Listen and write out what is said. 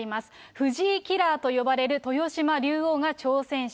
藤井キラーと呼ばれる豊島竜王が挑戦者。